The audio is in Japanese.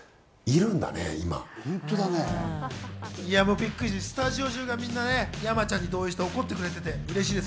びっくりして、スタジオ中がみんなね、山ちゃんに同意して怒ってくれてて嬉しいです。